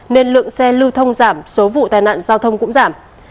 nên lượng xe lưu thông giảm số vụ tai nạn giao thông cũng giảm